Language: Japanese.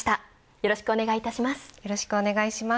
よろしくお願いします。